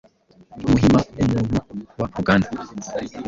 Umuhima numuntu wa uganda